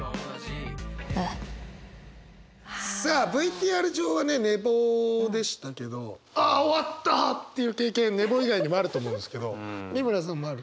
さあＶＴＲ中はね寝坊でしたけどあ終わったっていう経験寝坊以外にもあると思うんですけど美村さんもある？